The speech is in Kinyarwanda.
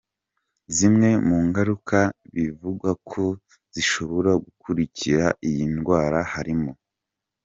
Zimwe mu ngaruka bivugwa ko zishobora gukurikira iyi ndwara harimo:.